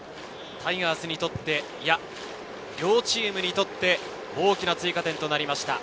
タイガースにとって、いや、両チームにとって大きな追加点となりました。